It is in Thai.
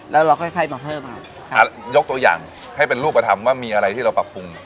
แล้วเราค่อยค่อยมาเพิ่มเอายกตัวอย่างให้เป็นรูปธรรมว่ามีอะไรที่เราปรับปรุง